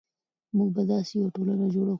موږ به داسې یوه ټولنه جوړه کړو.